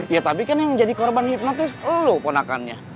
ya tapi kan yang jadi korban hipnotis lo ponakannya